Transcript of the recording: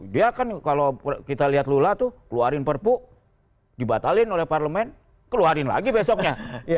dia kan kalau kita lihat lula tuh keluarin perpu dibatalin oleh parlemen keluarin lagi besoknya